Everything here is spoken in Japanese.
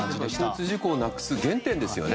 交通事故をなくす原点ですよね。